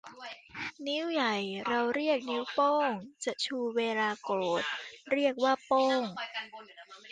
นิ้วใหญ่ เราเรียกนิ้วโป้ง จะชูเวลาโกรธ เรียกว่าโป้ง